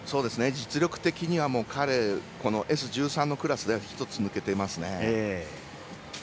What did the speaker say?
実力的には彼はＳ１３のクラスで１つ抜けてます。